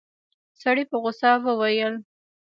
سړي په غوسه وويل.